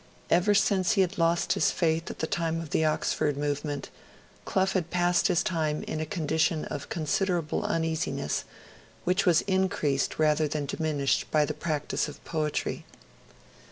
Ever since he had lost his faith at the time of the Oxford Movement, Clough had passed his life in a condition of considerable uneasiness, which was increased rather than diminished by the practice of poetry.